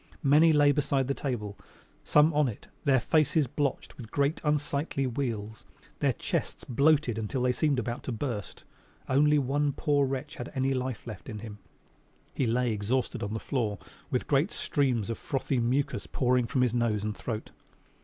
Many lay beside the table, some on it, their faces blotched with great, unsightly wheals, their chests bloated until they seemed about to burst. Only one poor wretch had any life left in him he lay exhausted on the floor with great streams of frothy mucous pouring from his nose and throat.